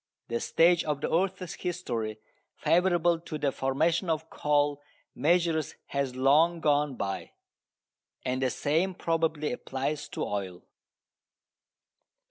The stage of the earth's history favourable to the formation of coal measures has long gone by. And the same probably applies to oil.